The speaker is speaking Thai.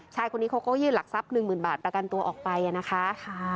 ชายคนนี้โคโก้ยื่นหลักทรัพย์๑๐๐๐๐บาทประกันตัวออกไปนะคะ